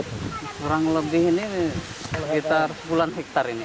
kurang lebih ini sekitar puluhan hektare ini